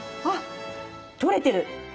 あっ取れてる！